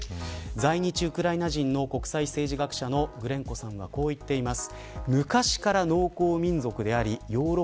在日ウクライナ人の国際政治学者のグレンコさんはこう言っています。